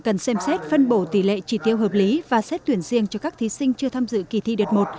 cần xem xét phân bổ tỷ lệ trị tiêu hợp lý và xét tuyển riêng cho các thí sinh chưa tham dự kỳ thi đợt một